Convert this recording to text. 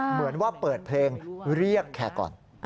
เหมือนว่าเปิดเพลงเรียกแคร์ก่อน